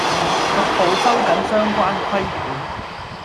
逐步收緊相關規管